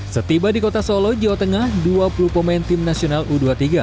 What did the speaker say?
setiba di kota solo jawa tengah dua puluh pemain tim nasional u dua puluh tiga